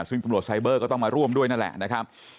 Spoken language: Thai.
ซึ่งตำรวจไซเบอร์ก็ต้องมาร่วมด้วยนั่นแหละนะครับ